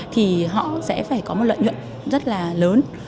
thì họ sẽ phải có một lợi nhuận rất là lớn